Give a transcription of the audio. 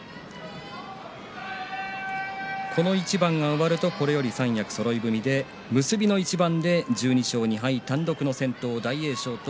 この一番が終わるとこれより三役そろい踏みと結びの一番で１２勝２敗、単独先頭の大栄翔と